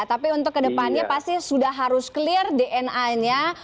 tapi untuk kedepannya pasti sudah harus clear dna nya